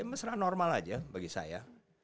mesra normal aja bagi saya